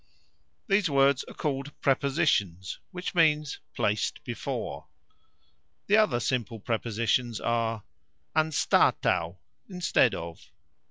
(These words are called PREPOSITIONS, which means placed before). The other simple prepositions are anstataux : instead of.